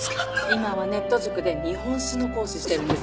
今はネット塾で日本史の講師してるんです。